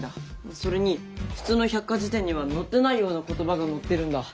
それに普通の百科事典には載ってないような言葉が載ってるんだ。